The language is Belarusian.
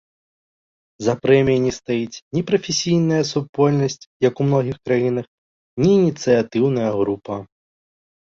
За прэміяй не стаіць ні прафесійная супольнасць, як у многіх краінах, ні ініцыятыўная група.